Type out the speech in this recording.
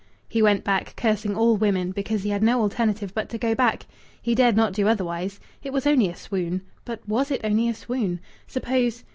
He went back, cursing all women, because he had no alternative but to go back. He dared not do otherwise.... It was only a swoon. But was it only a swoon? Suppose